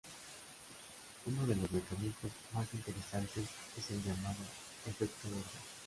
Uno de los mecanismos más interesantes es el llamado efecto borde.